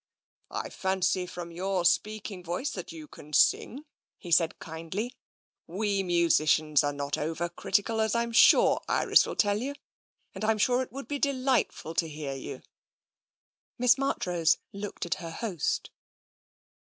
" I fancy from your speaking voice that you can sing," he said kindly. " We musicians are not over critical, as I'm sure Iris will tell you, and I'm sure it would be delightful to hear you." Miss Marchrose looked at her host.